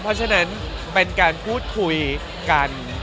เพราะฉะนั้นเป็นการพูดคุยกัน